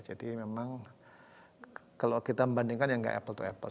jadi memang kalau kita membandingkan ya gak apple to apple